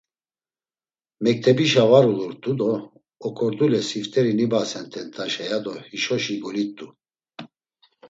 Mektebişa var ulurt̆u do Oǩordule sift̆eri nibasen tentaşa, ya do hişoşi golit̆u.